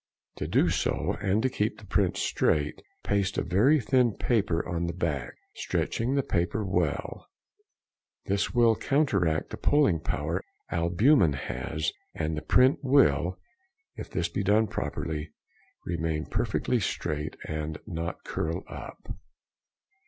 To do so, and to keep the print straight, paste a very thin paper on the back, stretching the paper well; this will counteract the pulling power albumen has, and the print will, if this be done properly, remain perfectly straight and not curl up.